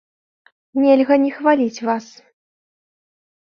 Нельга не хваліць вас.